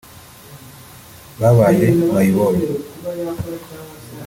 babaye mayibobo